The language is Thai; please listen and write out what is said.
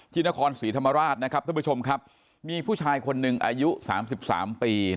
ที่นครศรีธรรมราชนะครับท่านผู้ชมครับมีผู้ชายคนหนึ่งอายุ๓๓ปี